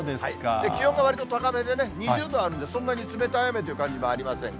気温がわりと高めでね、２０度あるんで、そんなに冷たい雨という感じもありません。